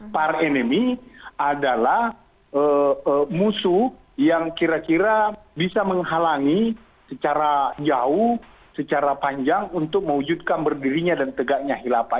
par enemy adalah musuh yang kira kira bisa menghalangi secara jauh secara panjang untuk mewujudkan berdirinya dan tegaknya hilafah